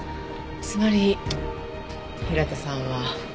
つまり平田さんは。